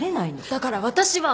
だから私は。